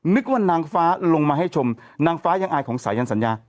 นึกว่านางฟ้าลงมาให้ชมนางฟ้ายังอายของสายันสัญญา